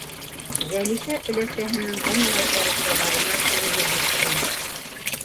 Зәлифә өләсәһенең бындай орошоуҙарына күнегеп бөткән.